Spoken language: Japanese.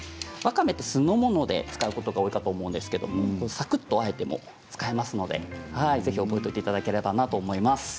わかめって酢の物で使うことが多いかと思うんですけどさくっとあえても使えますのでぜひ覚えておいていただければなと思います。